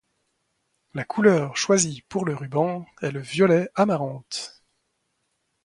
La couleur choisie pour le ruban est le violet amarante.